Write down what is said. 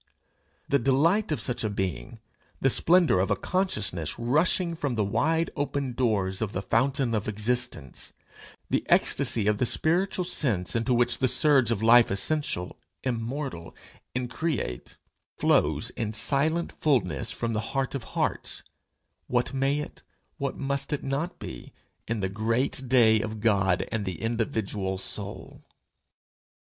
The delight of such a being, the splendour of a consciousness rushing from the wide open doors of the fountain of existence, the ecstasy of the spiritual sense into which the surge of life essential, immortal, increate, flows in silent fulness from the heart of hearts what may it, what must it not be, in the great day of God and the individual soul!